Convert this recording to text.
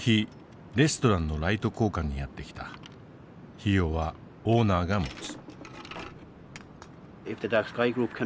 費用はオーナーが持つ。